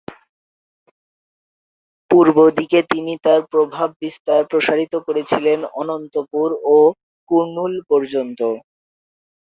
পূর্ব দিকে তিনি তাঁর প্রভাব প্রসারিত করেছিলেন অনন্তপুর ও কুর্নুল পর্যন্ত।